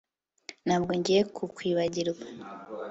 Ntabwo ngiye kukwibagirwa